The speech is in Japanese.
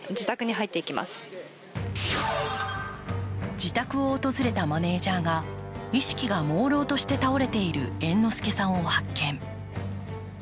自宅を訪れたマネージャーが意識がもうろうとして倒れている猿之助さんを発見。